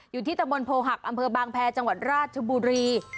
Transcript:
อยู่ที่ตะบนโพหักอำเภอบางแพรจังหวัดราชบุรี